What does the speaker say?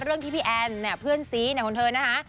เรื่องที่พี่แอนเนี่ยเพื่อนซีเนี่ยคนเธอนะคะ